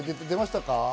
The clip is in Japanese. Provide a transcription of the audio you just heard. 出ましたか？